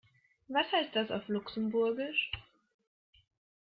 Was heißt das auf Luxemburgisch?